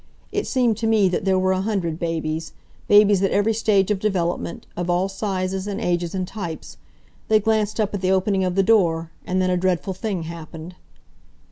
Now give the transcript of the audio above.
It seemed to me that there were a hundred babies babies at every stage of development, of all sizes, and ages and types. They glanced up at the opening of the door, and then a dreadful thing happened.